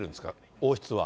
王室は。